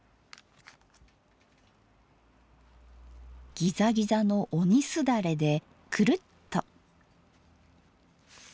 ギザギザの鬼すだれでくるっと。